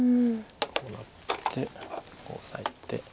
こうなってオサえて。